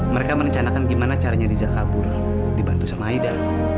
mereka merencanakan gimana caranya riza kabur dibantu sama aida